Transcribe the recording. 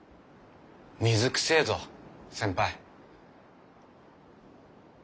水くせえぞ先輩。